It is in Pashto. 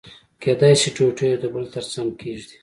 کېدای شي ټوټې يو د بل تر څنګه کېږدي.